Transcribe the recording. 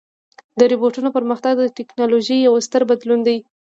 د روبوټونو پرمختګ د ټکنالوژۍ یو ستر بدلون دی.